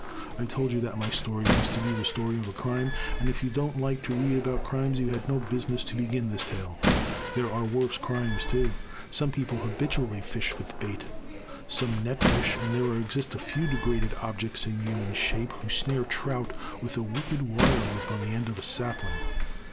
I told you that my story was to be the story of a crime, and if you don't like to read about crimes, you had no business to begin this tale. There are worse crimes too, — some people habitually fish with bait; some net fish, and there exist a few degraded objects in human shape who snare trout with a wicked wire loop on the end of a sapling.